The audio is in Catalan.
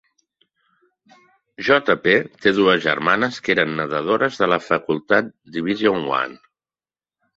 J. P. te dues germanes que eren nedadores de la facultat Division One.